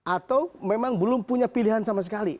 atau memang belum punya pilihan sama sekali